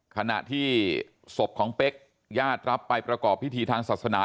ขณะที่ศพของเป๊กญาติรับไปประกอบพิธีทางศาสนา